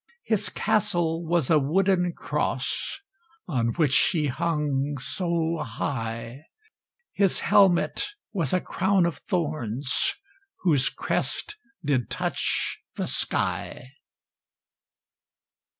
His castle was a wooden cross, On which he hung so high; His helmet was a crown of thorns, Whose crest did touch the sky.